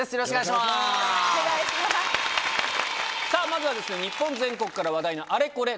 まずは日本全国から話題のあれこれ